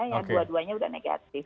dua duanya sudah negatif